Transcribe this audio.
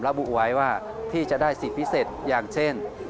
ระบุไว้ว่าที่จะได้สิทธิ์พิเศษอย่างเช่น